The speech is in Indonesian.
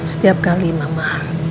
setiap kali mama